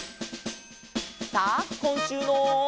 さあこんしゅうの。